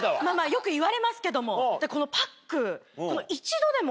よく言われますけども。